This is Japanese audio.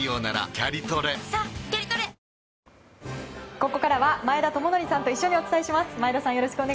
ここからは前田智徳さんと一緒にお伝えします。